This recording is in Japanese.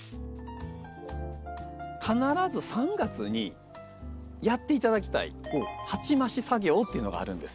必ず３月にやって頂きたい鉢増し作業っていうのがあるんです。